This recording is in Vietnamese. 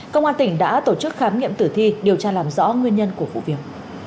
công an tỉnh đã tổ chức khám nghiệm tử thi điều tra làm rõ nguyên nhân của vụ việc